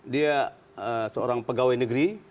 dia seorang pegawai negeri